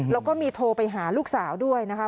แล้วก็มีโทรไปหาลูกสาวด้วยนะคะ